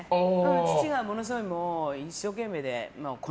父が、ものすごい一生懸命で。